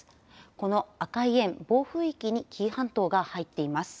この赤い円暴風域に紀伊半島が入っています。